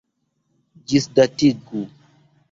Ĝisdatigu!